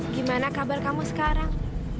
gimana kabar kamu sekarang